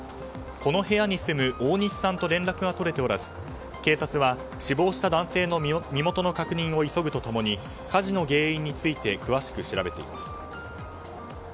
この部屋に住む大西さんと連絡が取れておらず警察は死亡した男性の身元の確認を急ぐと共に火事の原因について詳しく調べています。